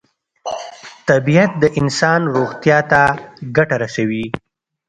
طبیعت د انسان روغتیا ته ګټه رسوي.